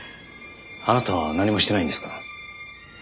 あなたは何もしていないんですか？